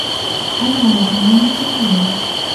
أنا لا أنام كثيرا.